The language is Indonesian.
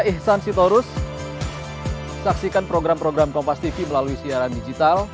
ihsan sitorus saksikan program program kompas tv melalui siaran digital